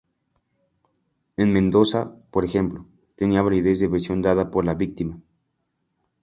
En Mendoza, por ejemplo, tenía validez la versión dada por la víctima.